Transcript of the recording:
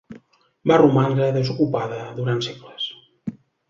Va romandre desocupada durant segles.